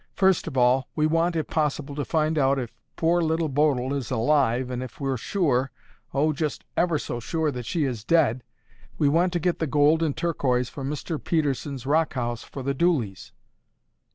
First of all, we want, if possible, to find out if poor Little Bodil is alive and if we're sure, oh, just ever so sure, that she is dead, we want to get the gold and turquoise from Mr. Pedersen's rock house for the Dooleys."